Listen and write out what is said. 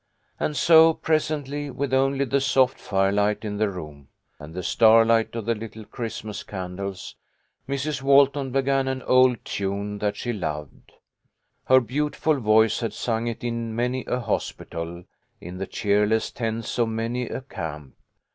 And so, presently, with only the soft firelight in the room, and the starlight of the little Christmas candles, Mrs. Walton began an old tune that she loved. Her beautiful voice had sung it in many a hospital, in the cheerless tents of many a camp.